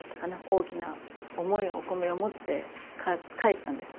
大きな重いお米を持って帰ったんです。